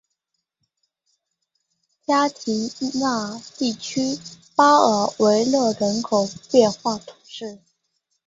加提奈地区巴尔维勒人口变化图示